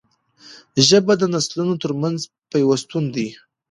ژبه د نسلونو ترمنځ پیوستون دی